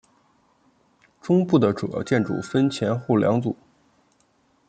中路的主要建筑分前后两组。